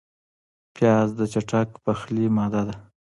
پیاز د چټک پخلي ماده ده